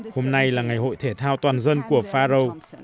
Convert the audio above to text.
hôm nay là ngày hội thể thao toàn dân của faro